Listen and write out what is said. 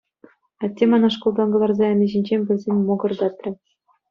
Атте мана шкултан кӑларса яни ҫинчен пӗлсен мӑкӑртатрӗ.